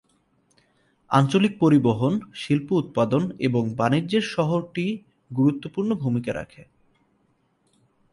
আঞ্চলিক পরিবহন, শিল্প উৎপাদন এবং বাণিজ্যে শহরটি গুরুত্বপূর্ণ ভূমিকা রাখে।